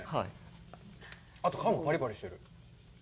あと皮もパリパリしてる。